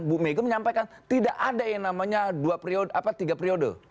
bu mega menyampaikan tidak ada yang namanya tiga periode